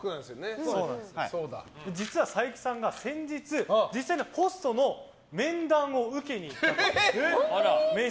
実は佐伯さんが先日、実際にホストの面接を受けに行ったと。